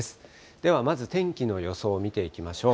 ではまず天気の予想見ていきましょう。